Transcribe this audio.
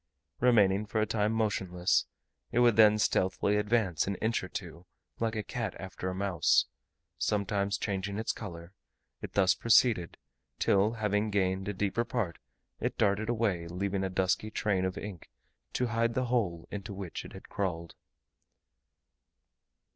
Remaining for a time motionless, it would then stealthily advance an inch or two, like a cat after a mouse; sometimes changing its colour: it thus proceeded, till having gained a deeper part, it darted away, leaving a dusky train of ink to hide the hole into which it had crawled.